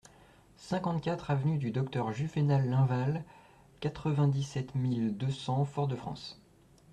cinquante-quatre avenue du Docteur Juvénal Linval, quatre-vingt-dix-sept mille deux cents Fort-de-France